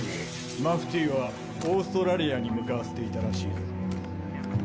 マフティーはオーストラリアに向かわせていたらしいぞ。